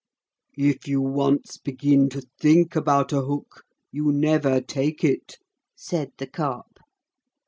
'If you once begin to think about a hook you never take it,' said the Carp.